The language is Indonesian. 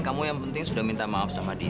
kamu nggak ada yang yakin